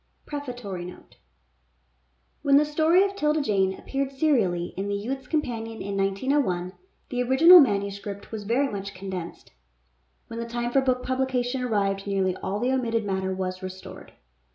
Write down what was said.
A. PREFATORY NOTE When the story of " 'Tilda Jane " appeared serially in " The Youth's Companion " in 1901, the original manuscript was very much condensed. When the time for book publication arrived nearly all the omitted matter was restored.